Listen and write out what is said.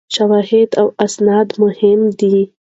شواهد او اسناد مهم دي.